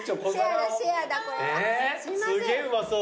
すげえうまそう。